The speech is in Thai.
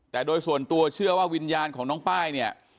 แต่โดยส่วนตัวเชื่อว่าวิญญาณของน้องป้ายเนี่ย